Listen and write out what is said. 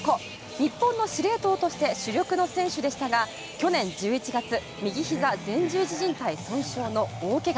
日本の司令塔として主力の選手でしたが去年１１月、右ひざ前十字じん帯損傷の大けが。